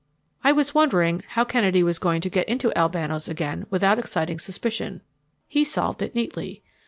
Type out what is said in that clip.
I was wondering how Kennedy was going to get into Albano's again without exciting suspicion. He solved it neatly.